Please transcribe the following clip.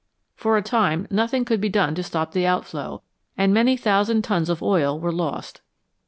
For a time nothing could be done to stop the outflow, and many thousand tons of oil were lost.